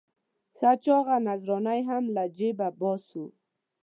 ښه چاغه نذرانه یې هم له جېبه باسو.